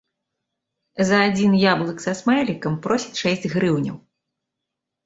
За адзін яблык са смайлікам просяць шэсць грыўняў.